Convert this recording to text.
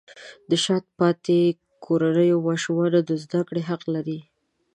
د شاته پاتې کورنیو ماشومان د زده کړې حق لري.